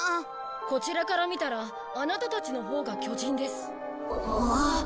こちらから見たらアナタたちのほうが巨人です。